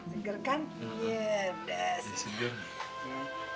segar kan iya dasar